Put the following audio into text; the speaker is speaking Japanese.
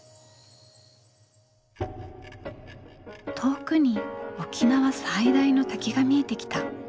遠くに沖縄最大の滝が見えてきた。